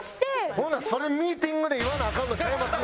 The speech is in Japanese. ほなそれミーティングで言わなアカンのちゃいますの？